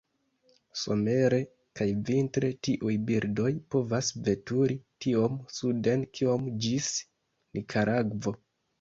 Somere kaj vintre, tiuj birdoj povas veturi tiom suden kiom ĝis Nikaragvo.